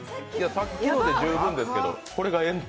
さっきので十分ですけど、これが炎帝。